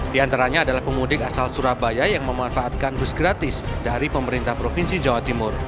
di antaranya adalah pemudik asal surabaya yang memanfaatkan bus gratis dari pemerintah provinsi jawa timur